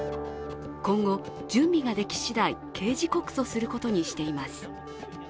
今後、準備ができしだい、刑事告訴することにしています。